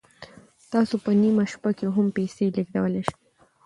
تاسو په نیمه شپه کې هم پیسې لیږدولی شئ.